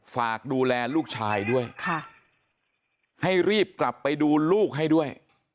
ฝากดูแลลูกชายด้วยให้รีบกลับไปดูลูกให้ด้วย